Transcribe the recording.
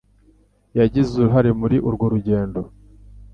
Yagize uruhare muri urwo rugendo.